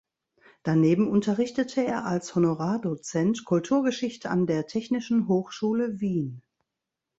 Daneben unterrichtete er als Honorardozent Kulturgeschichte an der Technischen Hochschule Wien.